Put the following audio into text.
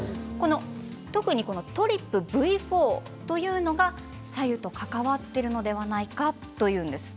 特にＴＲＰＶ４というのが白湯と関わっているのではないかというんです。